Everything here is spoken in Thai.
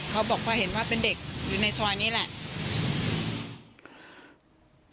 เขาบอกว่าเห็นว่าเป็นเด็กอยู่ในซอยนี้แหละ